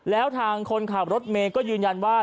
แล้วทางคนขับรถเมย์ก็ยืนยันว่า